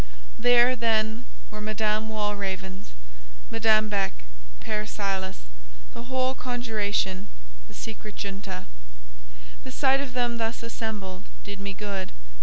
There, then, were Madame Walravens, Madame Beck, Père Silas—the whole conjuration, the secret junta. The sight of them thus assembled did me good.